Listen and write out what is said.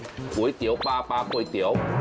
ไอ้ปลาก๋วยเตี๋ยวปลาก๋วยเตี๋ยว